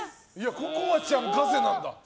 ココアちゃん、ガセなんだ。